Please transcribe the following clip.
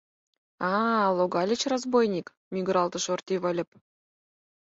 — А-а, логальыч, разбойник! — мӱгыралтыш Орти Выльып.